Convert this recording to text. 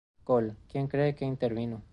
Gol, quien cree que intervino.